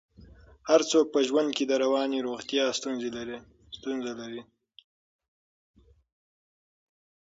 هر څوک په ژوند کې د رواني روغتیا ستونزه لري.